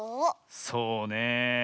そうねえ。